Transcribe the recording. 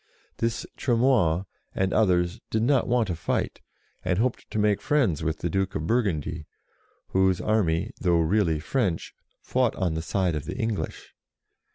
This Tremoille, and others, did not want to fight, and hoped to make friends with the Duke of Burgundy, whose army, though really French, fought on the side of the English.